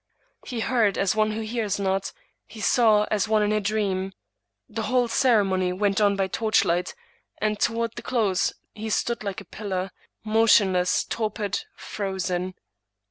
He heard as one who hears not; he saw as one in a dream. The whole ceremony went on by torchlight, and toward the close he stood like a pil lar, motionless, torpid, frozen.